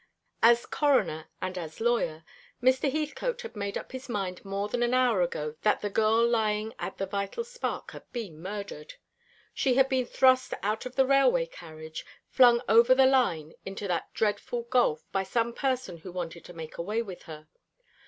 As coroner and as lawyer, Mr. Heathcote had made up his mind more than an hour ago that the girl lying at the Vital Spark had been murdered. She had been thrust out of the railway carriage, flung over the line into that dreadful gulf, by some person who wanted to make away with her.